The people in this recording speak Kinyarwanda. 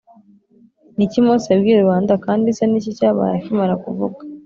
Ni iki Mose yabwiye rubanda kandi se ni iki cyabaye akimara kuvuga